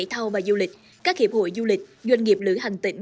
trong thời gian qua du lịch các hiệp hội du lịch doanh nghiệp lửa hành tỉnh